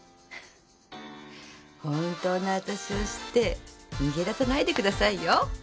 本当の私を知って逃げ出さないでくださいよ。